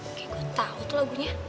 oke gue tahu tuh lagunya